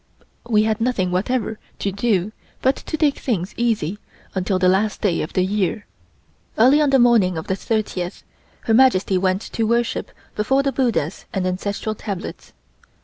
We had nothing whatever to do but to take things easy until the last day of the year. Early on the morning of the thirtieth Her Majesty went to worship before the Buddhas and Ancestral Tablets.